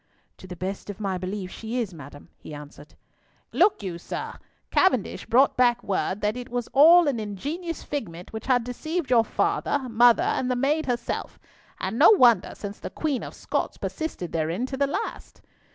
"To the best of my belief she is, madam," he answered. "Look you, sir, Cavendish brought back word that it was all an ingenious figment which had deceived your father, mother, and the maid herself—and no wonder, since the Queen of Scots persisted therein to the last."